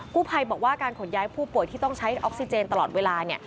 ผู้ภัยบอกว่าการขนย้ายผู้ป่วยที่ต้องใช้ออกซิเจนตลอดเวลาเนี่ย